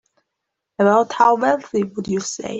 About how wealthy would you say?